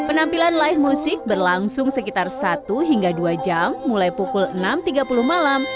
penampilan live music berlangsung sekitar satu hingga dua jam mulai pukul enam tiga puluh malam